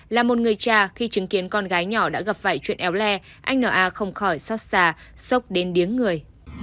là một người cha khi chứng kiến con gái nhỏ đã gặp vậy chuyện éo le anh n a không khỏi xót xà sốc đến điếng người